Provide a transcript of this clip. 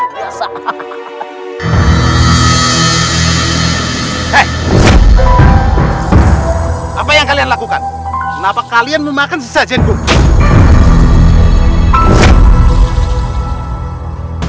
hai apa yang kalian lakukan kenapa kalian memakan sejak jenguk